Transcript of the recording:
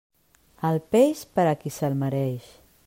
El peix, per a qui se'l mereix.